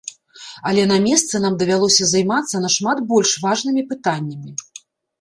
Але на месцы нам давялося займацца нашмат больш важнымі пытаннямі.